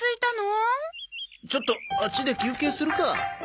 ちょっとあっちで休憩するか。